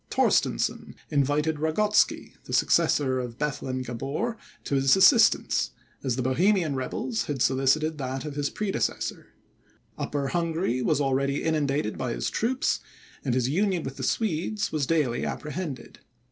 Torstensohn invited Ragotsky, the successor of Bethlen Gabor, to his assistance, as the Bohemian rebels had solicited that of his predecessor; Upper Hungary was already inundated by his troops, and his union with the Swedes was daily apprehended.